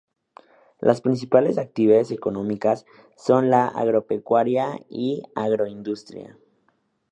Las principales actividades económicas son la agropecuaria y agroindustria.